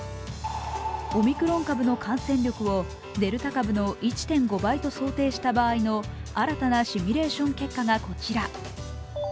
オミクロン株の感染力をデルタ株の１．５倍と想定した場合の新たなシミュレーション結果がこちら。